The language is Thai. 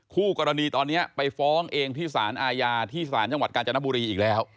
คู่กรณีตอนนี้ไปฟ้องเองที่สารอาญาที่ศาลจังหวัดกาญจนบุรีอีกแล้ว